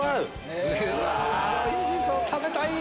食べたい！